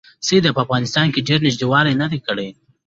سید په افغانستان کې ډېر نیژدې والی نه دی کړی.